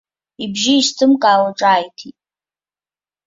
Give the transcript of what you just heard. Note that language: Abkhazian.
Ибжьы изҭымкаауа ҿааиҭит.